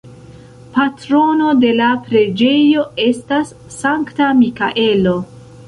Patrono de la preĝejo estas Sankta Mikaelo.